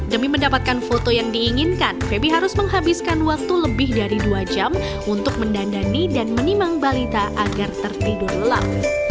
demi mendapatkan foto yang diinginkan febi harus menghabiskan waktu lebih dari dua jam untuk mendandani dan menimang balita agar tertidur lelap